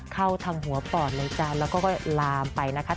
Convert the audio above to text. เข้าทางหัวปอดเลยจ้ะแล้วก็ลามไปนะคะ